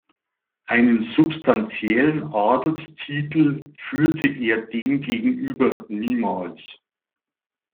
Einen substantiellen Adelstitel führte er demgegenüber niemals.